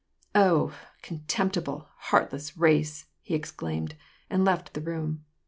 " Oh ! contemptible, heartless race I " he exclaimed, and left the room.